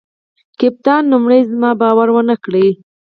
کپتان لومړي زما باور ونه کړ.